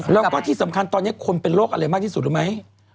แล้วก็ที่สำคัญตอนนี้คนเป็นโรคอะไรมากที่สุดรู้ไหม